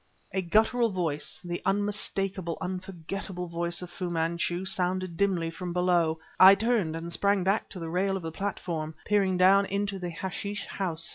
A gutteral voice the unmistakable, unforgettable voice of Fu Manchu sounded dimly from below. I turned and sprang back to the rail of the platform, peering down into the hashish house.